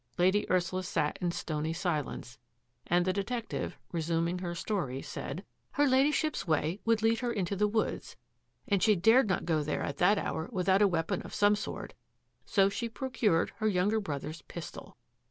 Lady Ursula sat in stony silence, and the de tective, resuming her story, said, " Her Ladyship*s way would lead her into the woods, and she dared not go there at that hour without a weapon of some sort, so she procured her younger brother's pistol."